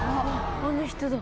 あの人だ。